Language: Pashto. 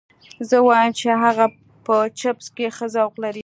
زه وایم چې هغه په چپس کې ښه ذوق لري